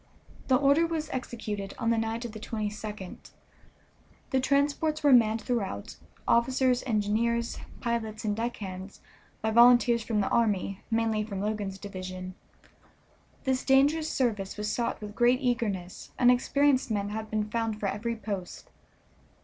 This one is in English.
The order was executed on the night of the 22d. The transports were manned throughout, officers, engineers, pilots, and deck hands, by volunteers from the army, mainly from Logan's division. This dangerous service was sought with great eagerness, and experienced men had been found for every post.